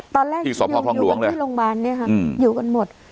ตอนแรกอยู่กันที่โรงพยาบาลเนี้ยค่ะอืมอยู่กันหมด